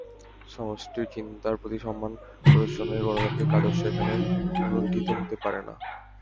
সমষ্টির চিন্তার প্রতি সম্মান প্রদর্শনের গণতান্ত্রিক আদর্শ এখানে ভূলুণ্ঠিত হতে পারে না।